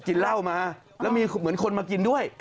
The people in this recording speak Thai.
กินเหล้ามาแล้วมีเหมือนคนมากินด้วย